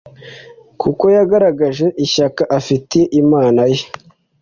kuko yagaragaje ishyaka afitiye imana ye.